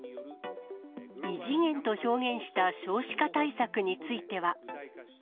異次元と表現した少子化対策については。